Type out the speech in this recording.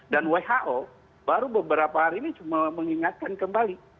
dan who baru beberapa hari ini cuma mengingatkan kembali